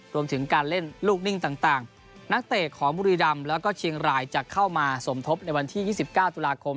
รวมถึงการเล่นลูกนิ่งต่างนักเตะของบุรีรำแล้วก็เชียงรายจะเข้ามาสมทบในวันที่๒๙ตุลาคม